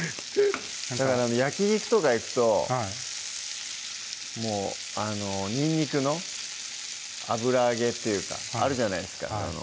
焼き肉とか行くともうあのにんにくの油揚げっていうかあるじゃないですか